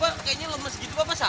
pak kayaknya lemes gitu pak pak sakit